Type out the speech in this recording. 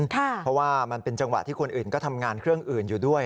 เพราะว่ามันเป็นจังหวะที่คนอื่นก็ทำงานเครื่องอื่นอยู่ด้วย